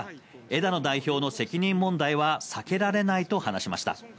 枝野代表の責任問題は避けられないと話しました。